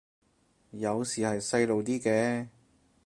有時係細路啲嘅